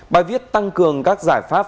bài viết tăng cường các giải pháp